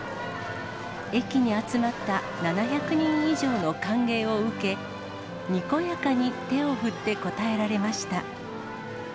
駅に集まった７００人以上の歓迎を受け、にこやかに手を振って応えられました。